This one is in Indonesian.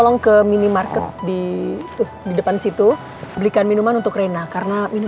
ngeliat gue bahagia sama suami gue